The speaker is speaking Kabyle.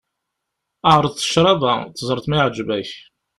Ԑreḍ ccrab-a, teẓreḍ ma iεǧeb-ak.